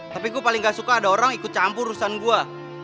tapi gue paling gak suka ada orang ikut campur urusan gue